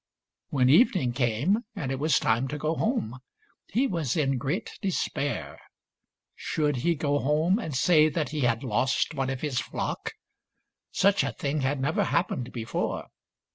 When evening came and it was time to go home, he was in great despair. Should he go home and say that he had lost one of his flock ? Such a thing had never happened before.